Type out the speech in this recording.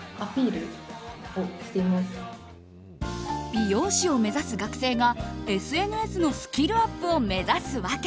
美容師を目指す学生がＳＮＳのスキルアップを目指す訳。